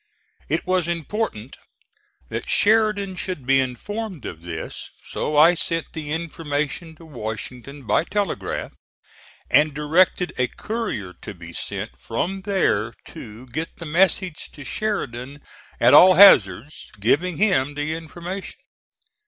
It was important that Sheridan should be informed of this, so I sent the information to Washington by telegraph, and directed a courier to be sent from there to get the message to Sheridan at all hazards, giving him the information.